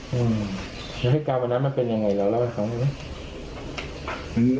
เฮ้ยกาลวันนั้นมันเป็นอย่างไรแบบวันนี้